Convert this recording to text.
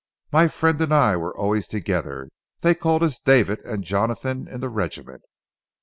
My friend and I were always together; they called us David and Jonathan in the regiment.